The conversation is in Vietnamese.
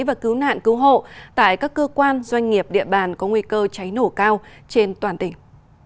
và cứu nạn cứu hộ tại các cơ quan doanh nghiệp địa bàn có nguy cơ cháy nổ cao trên toàn tỉnh